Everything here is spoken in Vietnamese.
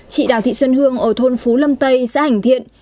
chị đào thị xuân hương ở thôn phú lâm tây xã hành thiện